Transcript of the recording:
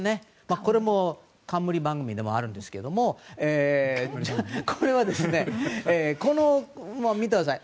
これも冠番組ではあるんですが見てください。